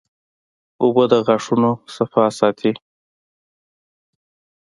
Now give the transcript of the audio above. اوبه د غاښونو صفا ساتي